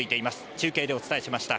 中継でお伝えしました。